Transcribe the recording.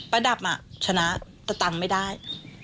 ประดับอ่ะชนะแต่ตังค์ไม่ได้